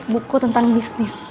buku tentang bisnis